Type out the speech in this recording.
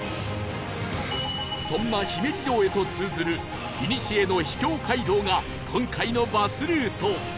そんな姫路城へと通ずる古の秘境街道が今回のバスルート